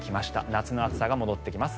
夏の暑さが戻ってきます。